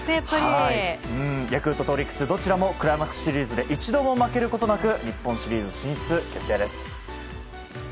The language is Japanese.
ヤクルト、オリックスどちらもクライマックスシリーズで一度も負けることなく日本シリーズ進出決定です。